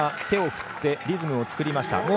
手を振ってリズムを作りました。